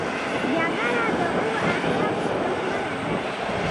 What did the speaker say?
جګړه د ښو اخلاقو دښمنه ده